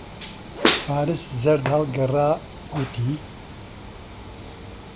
فارس زەرد هەڵگەڕا، گوتی: